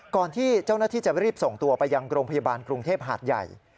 ก่อนที่เจ้าหน้าที่จะรีบส่งตัวไปยังโรงพยาบาลกรุงเทพหาดใหญ่